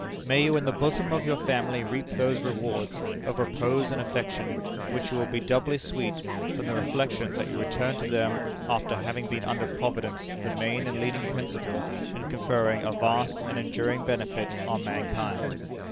May you in the bosom of your family reap those rewards of repose and affection, which will be doubly sweet from the reflection, that you return to them after having been under Providence the main and leading principal in conferring a vast and enduring benefit on mankind.